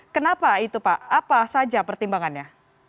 kenapa itu pak apa saja pertimbangannya